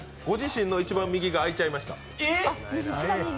ご自身の一番右が開いちゃいました。